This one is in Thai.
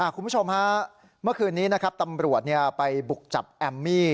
คุณผู้ชมฮะเมื่อคืนนี้นะครับตำรวจไปบุกจับแอมมี่